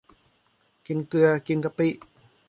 กินเกลือกินกะปิ